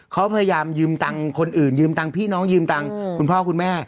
เขาพยายามยืมตังค์คนอื่นยืมตังค์พี่น้องยืมตังค์คุณพ่อคุณแม่